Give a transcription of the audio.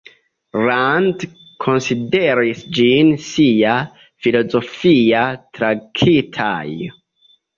Rand konsideris ĝin sia filozofia traktaĵo.